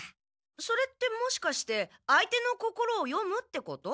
それってもしかして相手の心を読むってこと？